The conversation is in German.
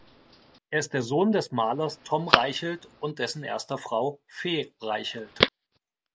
Er ist der Sohn des Malers Tom Reichelt und dessen erster Frau Fe Reichelt.